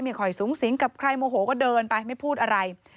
ไม่ค่อยสูงสิงกับใครโมโหก็เดินไปไม่พูดอะไร